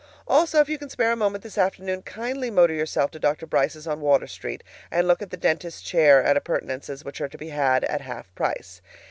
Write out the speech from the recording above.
Also, if you can spare a moment this afternoon, kindly motor yourself to Dr. Brice's on Water Street and look at the dentist's chair and appurtenances which are to be had at half price.